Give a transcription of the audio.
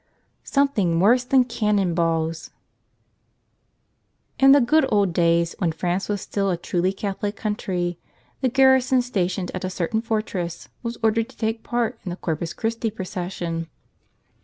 §>omet{H'ng iKBorse ©ban Cannon TSaltel IN THE good old days when France was still a truly Catholic country, the garrison stationed at a certain fortress was ordered to take part in the Corpus Christi procession.